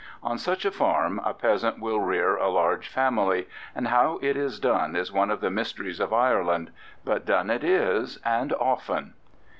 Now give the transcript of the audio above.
On such a farm a peasant will rear a large family, and how it is done is one of the mysteries of Ireland; but done it is, and often.